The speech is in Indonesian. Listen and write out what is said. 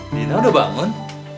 dina udah bangun